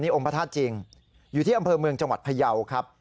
องค์พระธาตุจริงอยู่ที่อำเภอเมืองจังหวัดพยาวครับ